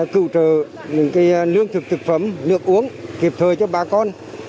cựu trợ những lương thực thực phẩm nước uống kịp thời cho bà con